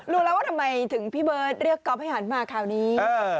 รู้แล้วว่าทำไมถึงพี่เบิร์ตเรียกก๊อฟให้หันมาคราวนี้